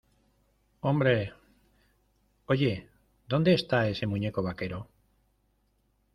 ¡ Hombre! ¿ oye, dónde esta ese muñeco vaquero?